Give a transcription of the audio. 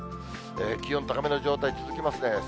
気温高めの状態、続きますね。